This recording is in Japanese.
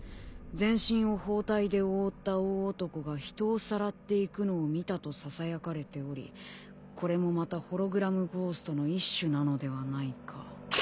「全身を包帯で覆った大男が人をさらっていくのを見たとささやかれておりこれもまたホログラムゴーストの一種なのではないか」